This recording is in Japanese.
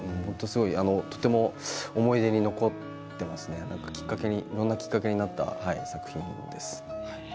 とても思い出に残っていますね、いろんなきっかけになった作品です。